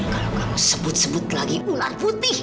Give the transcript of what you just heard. kalau kamu sebut sebut lagi ular putih